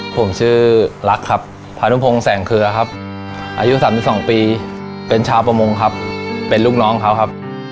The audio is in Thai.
ผมชื่อรักครับพานุพงศ์แสงเคลือครับอายุ๓๒ปีเป็นชาวประมงครับเป็นลูกน้องเขาครับ